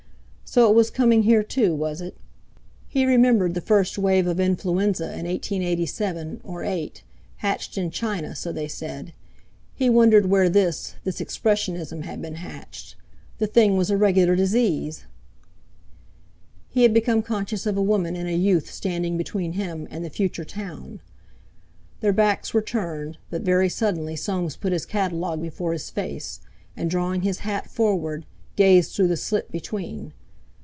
So it was coming here too, was it? He remembered the first wave of influenza in 1887—or '8—hatched in China, so they said. He wondered where this—this Expressionism had been hatched. The thing was a regular disease! He had become conscious of a woman and a youth standing between him and the "Future Town." Their backs were turned; but very suddenly Soames put his catalogue before his face, and drawing his hat forward, gazed through the slit between.